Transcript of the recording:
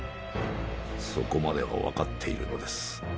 そこまでは分かっているのです。